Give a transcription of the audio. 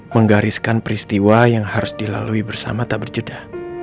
menggariskan peristiwa yang harus dilalui bersama tak berjeda